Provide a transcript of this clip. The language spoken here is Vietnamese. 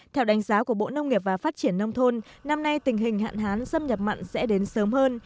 theo đánh giá của bộ nông nghiệp và phát triển nông thôn năm nay tình hình hạn hán xâm nhập mặn sẽ đến sớm hơn